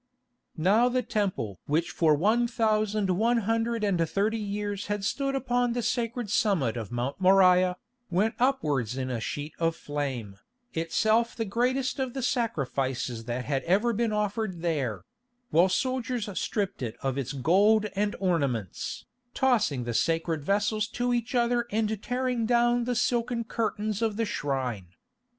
Now the Temple which for one thousand one hundred and thirty years had stood upon the sacred summit of Mount Moriah, went upwards in a sheet of flame, itself the greatest of the sacrifices that had ever been offered there; while soldiers stripped it of its gold and ornaments, tossing the sacred vessels to each other and tearing down the silken curtains of the shrine.